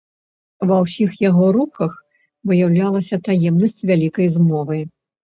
Ва ўсіх яго рухах выяўлялася таемнасць вялікай змовы.